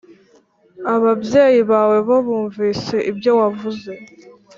Ababyeyi bawe bo bumvise ibyo wavuze